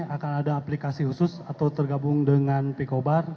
akan ada aplikasi khusus atau tergabung dengan pikobar